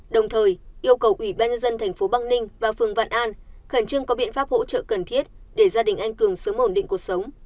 đồng thời yêu cầu ủy ban nhân dân tp băng ninh và phường vạn an khẩn trương có biện pháp hỗ trợ cần thiết để gia đình anh cường sớm ổn định cuộc sống